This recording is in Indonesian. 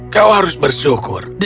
kau harus bersyukur